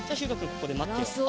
ここでまってよう。